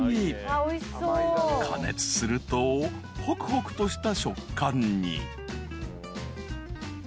［加熱するとほくほくとした食感に］